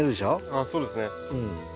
ああそうですね。